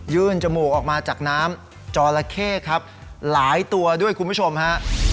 จมูกออกมาจากน้ำจอละเข้ครับหลายตัวด้วยคุณผู้ชมฮะ